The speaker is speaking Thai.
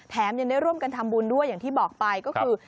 ยังได้ร่วมกันทำบุญด้วยอย่างที่บอกไปก็คือ